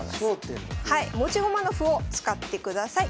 持ち駒の歩を使ってください。